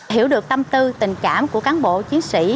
hiểu được tâm tư tình cảm của cán bộ chiến sĩ